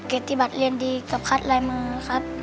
เกียรติบัตรเรียนดีกับพัดลายมือครับ